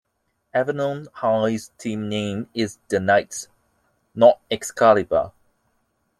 Avalon High's team name is "the Knights", not "Excalibur".